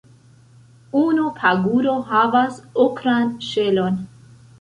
Unu paguro havas okran ŝelon.